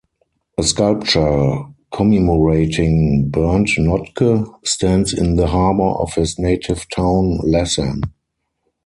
A sculpture commemorating Bernt Notke stands in the harbour of his native town Lassan.